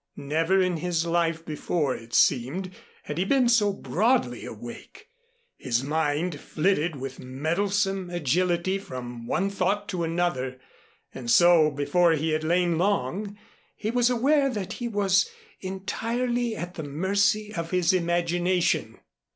Never in his life before, it seemed, had he been so broadly awake. His mind flitted with meddlesome agility from one thought to another; and so before he had lain long, he was aware that he was entirely at the mercy of his imagination.